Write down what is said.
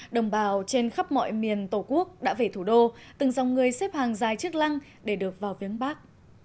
đồng bào trên khắp mọi miền tổ quốc đã về thủ đô từng dòng người xếp hàng dài chức lăng để được vào viếng bắc